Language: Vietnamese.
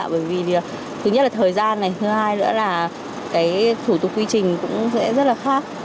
bởi vì thứ nhất là thời gian này thứ hai nữa là cái thủ tục quy trình cũng sẽ rất là khác